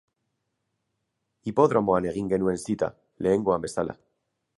Hipodromoan egin genuen zita, lehengoan bezala.